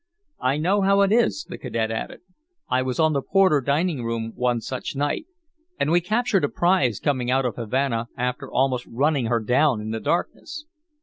"I know how it is," the cadet added. "I was on the Porter dining one such night. And we captured a prize coming out of Havana after almost running her down in the darkness."